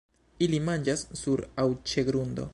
Ili manĝas sur aŭ ĉe grundo.